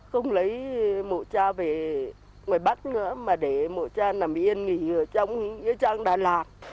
không lấy mộ cha về mà bắt nữa mà để mộ cha nằm yên nghỉ ở trong nghĩa trang đà lạt